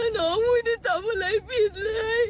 น้องไม่ได้ทำอะไรผิดเลย